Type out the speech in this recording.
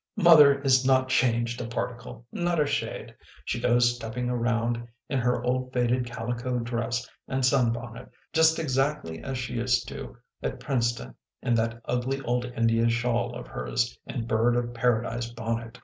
" Mother is not changed a particle, not a shade. She goes stepping around in her old faded calico dress and sunbonnet, just exactly as she used to do at Princeton in that ugly old India shawl of hers and bird of Paradise bonnet.